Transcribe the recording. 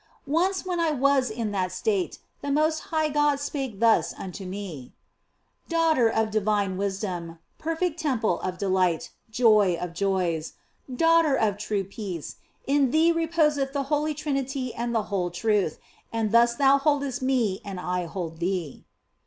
Once when I was in that state, the most high God 192 THE BLESSED ANGELA spake thus unto me :" Daughter of divine wisdom, perfect temple of delight, joy of joys ; daughter of true peace, in thee reposeth the Holy Trinity and the whole truth, and thus thou holdest Me and I hold thee."